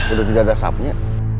udah tidak ada sub nya